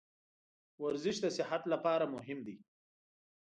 ورزش د صحت لپاره مهم دی.